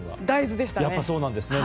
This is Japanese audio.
大豆でしたね。